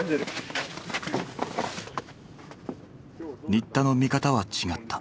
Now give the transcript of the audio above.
新田の見方は違った。